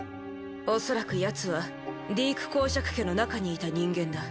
おそらくヤツはディーク侯爵家の中にいた人間だ。